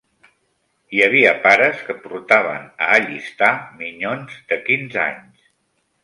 Hi havia pares que portaven a allistar minyons de quinze anys